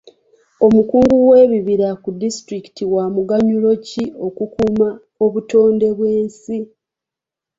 Omukungu w'ebibira ku disitulikiti wa muganyulo ki mu kukuuma obutonde bw'ensi?